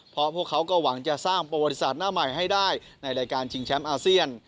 เพราะพวกเขาก็หวังจะสร้างประวัติศาสตร์หน้าใหม่ให้ได้ในรายการชิงแชมป์อาเซียน